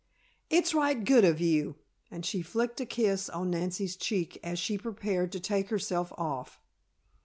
It's right good of you," and she flicked a kiss on Nancy's cheek as she prepared to take herself off.